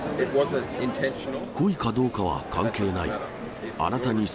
故意かどうかは関係ない。